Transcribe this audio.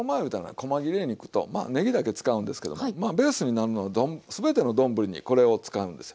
こま切れ肉とまあねぎだけ使うんですけどもまあベースになるのは全ての丼にこれを使うんですよ。